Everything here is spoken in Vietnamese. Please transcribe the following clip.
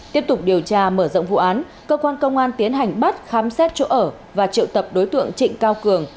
tiếp tục điều tra mở rộng vụ án cơ quan công an tiến hành bắt khám xét chỗ ở và triệu tập đối tượng trịnh cao cường